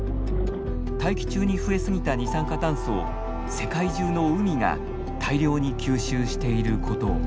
大気中に増え過ぎた二酸化炭素を世界中の海が大量に吸収していることを。